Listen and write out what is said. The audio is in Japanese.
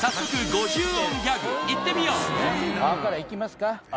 「あ」からいきますか？